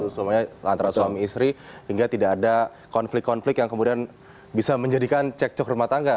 semuanya antara suami istri hingga tidak ada konflik konflik yang kemudian bisa menjadikan cekcok rumah tangga